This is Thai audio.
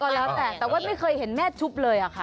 แล้วแต่แต่ว่าไม่เคยเห็นแม่ชุบเลยอะค่ะ